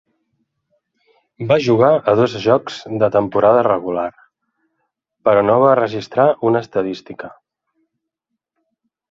Va jugar a dos jocs de temporada regular, però no va registrar una estadística.